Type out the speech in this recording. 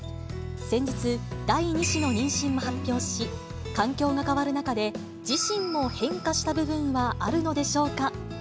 先日、第２子の妊娠を発表し、環境が変わる中で、自身も変化した部分はあるのでしょうか。